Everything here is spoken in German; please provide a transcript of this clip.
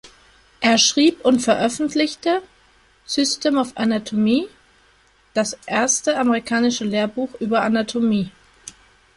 Er schrieb und veröffentlichte „System of Anatomy“, das erste amerikanische Lehrbuch über Anatomie.